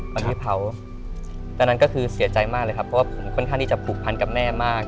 วันที่เผาตอนนั้นก็คือเสียใจมากเลยครับเพราะว่าผมค่อนข้างที่จะผูกพันกับแม่มาก